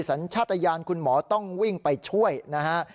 สัญชาติยานคุณหมอต้องวิ่งไปช่วยนะฮะ